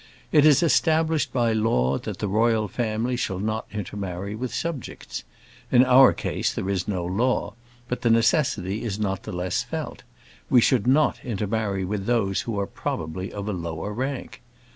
It is established by law, that the royal family shall not intermarry with subjects. In our case there is no law, but the necessity is not the less felt; we should not intermarry with those who are probably of a lower rank.